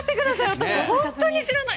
私、本当に知らない。